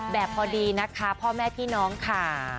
แบบพอดีนะคะพ่อแม่พี่น้องค่ะ